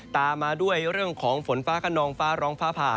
ตามมาด้วยเรื่องของฝนฟ้าขนองฟ้าร้องฟ้าผ่า